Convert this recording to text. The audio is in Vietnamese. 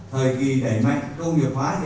thời kỳ đẩy mạnh công nghiệp hóa hiện đại hóa